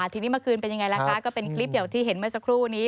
ทีนี้เมื่อคืนเป็นยังไงล่ะคะก็เป็นคลิปอย่างที่เห็นเมื่อสักครู่นี้